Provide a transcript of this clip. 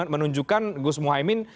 menunjukkan gus muhaymin